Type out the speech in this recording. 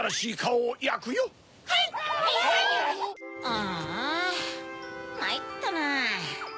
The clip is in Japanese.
ああまいったなぁ。